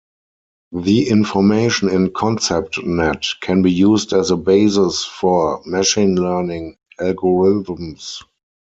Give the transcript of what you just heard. The information in ConceptNet can be used as a basis for machine learning algorithms.